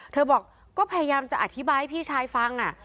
เธอบอกก็พยายามจะอธิบายให้พี่ชายฟัง